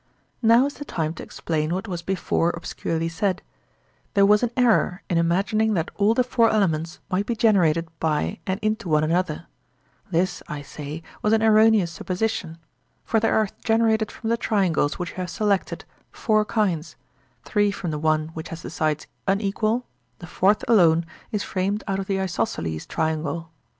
Now is the time to explain what was before obscurely said: there was an error in imagining that all the four elements might be generated by and into one another; this, I say, was an erroneous supposition, for there are generated from the triangles which we have selected four kinds—three from the one which has the sides unequal; the fourth alone is framed out of the isosceles triangle.